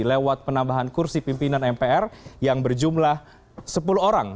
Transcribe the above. lewat penambahan kursi pimpinan mpr yang berjumlah sepuluh orang